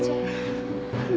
tidak diri aja